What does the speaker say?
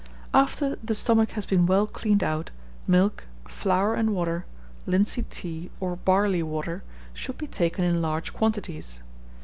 After the stomach has been well cleaned out, milk, flour and water, linseed tea, or barley water, should be taken in large quantities.